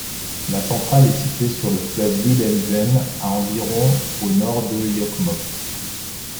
La centrale est située sur le fleuve Luleälven, à environ au nord de Jokkmokk.